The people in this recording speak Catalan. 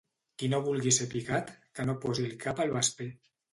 Qui no vulgui ser picat que no posi el cap al vesper.